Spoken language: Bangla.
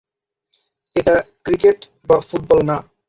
এটা ক্রিকেট বা ফুটবল না।